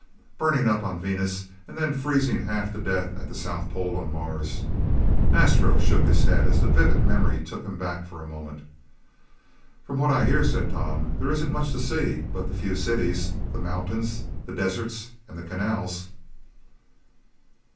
Burning up on Venus and then freezing half to death at the south pole on Mars." Astro shook his head as the vivid memory took him back for a moment. "From what I hear," said Tom, "there isn't much to see but the few cities, the mountains, the deserts and the canals."